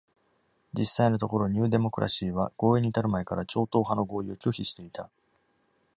実際のところ、ニュー・デモクラシーは、合意に至る前から超党派の合意を拒否していた。